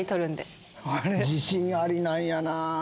自信ありなんやなぁ。